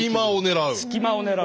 隙間を狙う。